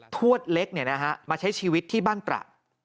ทวดเล็กมาใช้ชีวิตที่บ้านตระ